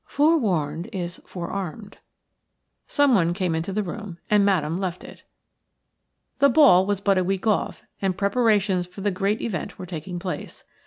Forewarned is forearmed." "FOREWARNED IS FOREARMED." Someone came into the room and Madame left it. The ball was but a week off, and preparations for the great event were taking place.